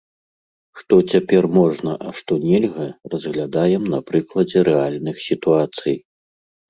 Што цяпер можна, а што нельга, разглядаем на прыкладзе рэальных сітуацый.